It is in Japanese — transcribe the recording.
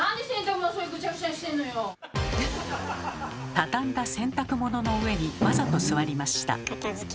畳んだ洗濯物の上にわざと座りました。